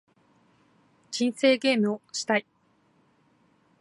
人生ゲームをしたい